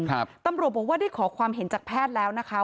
ตำรวจบอกว่าได้ขอความเห็นจากแพทย์แล้วนะคะ